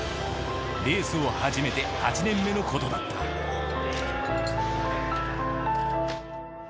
レースを始めて８年目のことだった今考えれば。